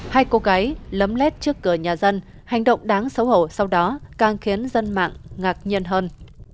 hai cô gái lấm lét trước cửa nhà dân hành động đáng xấu hổ sau đó càng khiến dân mạng ngạc nhiên hơn